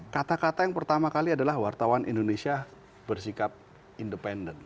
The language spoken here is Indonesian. kata kata yang pertama kali adalah wartawan indonesia bersikap independen